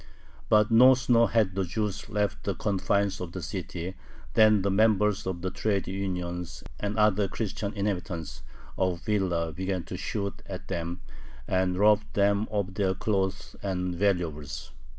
But no sooner had the Jews left the confines of the city than the members of the trade unions and other Christian inhabitants of Vilna began to shoot at them and rob them of their clothes and valuables.